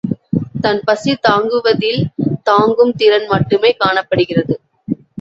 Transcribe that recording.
தன் பசி தாங்குவதில் தாங்கும் திறன் மட்டுமே காணப்படுகிறது.